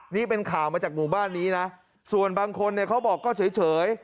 นี่เป็นข่าวมาจากหมู่บ้านนี้นะส่วนบางคนเนี่ยเขาบอกก็เฉย